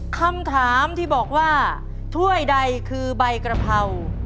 คำถามที่บอกว่าถ้วยใดคือใบกระเพรา